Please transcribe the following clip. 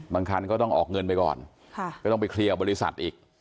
คันก็ต้องออกเงินไปก่อนก็ต้องไปเคลียร์กับบริษัทอีก